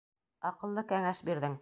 Аҡыллы кәңәш бирҙең!